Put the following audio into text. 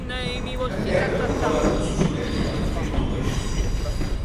Dikkate değer tarafı buralarda da "suçlu" denecek adamın pek bulunmayışıdır.